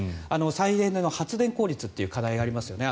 再エネの発電効率という課題がありますよね。